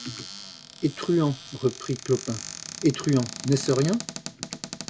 Et truand, reprit Clopin, et truand, n’est-ce rien ?